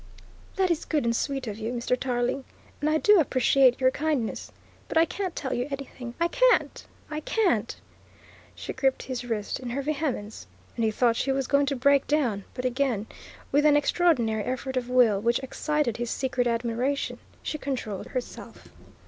"That is good and sweet of you, Mr. Tarling, and I do appreciate your kindness. But I can't tell you anything I can't, I can't!" She gripped his wrist in her vehemence, and he thought she was going to break down, but again, with an extraordinary effort of will which excited his secret admiration, she controlled herself.